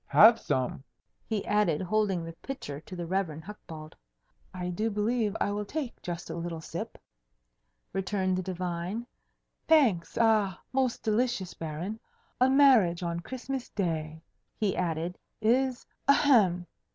Have some," he added, holding the pitcher to the Rev. Hucbald. "I do believe I will take just a little sip," returned the divine. "Thanks! ah most delicious, Baron! A marriage on Christmas Day," he added, "is ahem!